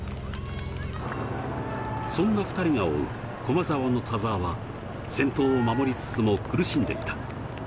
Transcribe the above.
そんな２人が追う駒澤の田澤は先頭を守りつつも苦しんでいた。